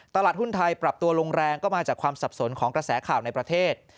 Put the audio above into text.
ตลาดหุ้นไทยปรับตัวลงแรงก็มาจากความสับสนของกระแสข่าวในประเทศ